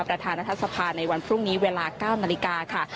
อาทารณทรัพย์สะพานในวันพรุ่งนี้เวลา๙นาฬิกาค่ะ